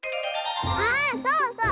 あそうそう！